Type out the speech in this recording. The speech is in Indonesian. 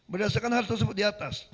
berdasarkan hal tersebut di atas